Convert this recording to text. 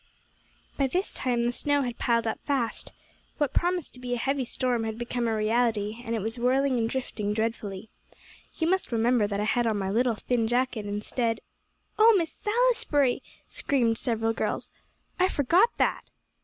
"By this time, the snow had piled up fast. What promised to be a heavy storm had become a reality, and it was whirling and drifting dreadfully. You must remember that I had on my little thin jacket, instead " "Oh Miss Salisbury!" screamed several girls, "I forgot that."